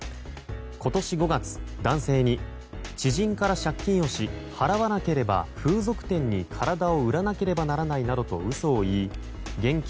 今年５月、男性に知人から借金をし払わなければ風俗店に体を売らなければならないなどと嘘を言い現金